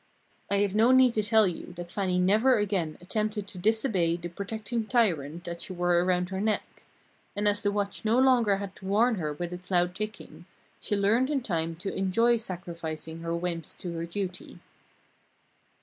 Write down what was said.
I have no need to tell you that Fannie never again attempted to disobey the protecting tyrant that she wore around her neck. And as the watch no longer had to warn her with its loud ticking, she learned in time to enjoy sacrificing her whims to her duty.